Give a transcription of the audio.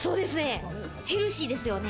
ヘルシーですよね。